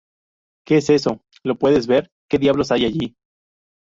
¿ Qué es eso? ¿ lo puedes ver? ¿ qué diablos hay allí?